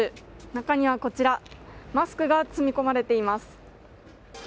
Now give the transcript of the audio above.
中には、こちらマスクが積み込まれています。